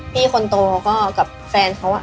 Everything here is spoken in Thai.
พี่คนโตก็กับแฟนเขา